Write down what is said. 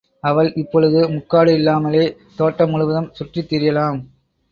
அவள் இப்பொழுது முக்காடு இல்லாமலே தோட்டம் முழுவதும் சுற்றித்திரியலாம்.